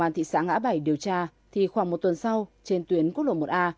thị xã ngã bảy điều tra thì khoảng một tuần sau trên tuyến quốc lộ một a